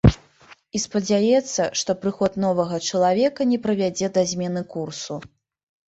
І спадзяецца, што прыход новага чалавека не прывядзе да змены курсу.